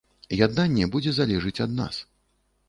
Яднанне будзе залежыць ад нас.